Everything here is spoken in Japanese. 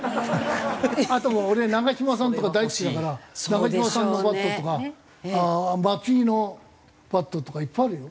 あと俺長嶋さんとか大好きだから長嶋さんのバットとか松井のバットとかいっぱいあるよ。